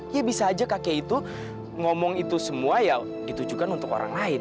ya bisa aja kakek itu ngomong itu semua ya ditujukan untuk orang lain